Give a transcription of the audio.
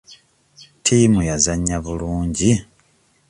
Ttiimu yazannya bulungi.